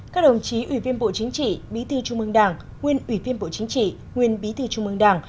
các đồng chí ủy viên bộ chính trị bí thư trung mương đảng nguyên ủy viên bộ chính trị nguyên bí thư trung mương đảng